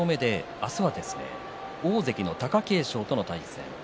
明日は大関の貴景勝との対戦です。